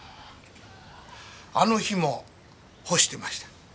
あの日も干してました。